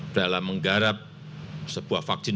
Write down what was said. dalam menggarap sebuah vaksin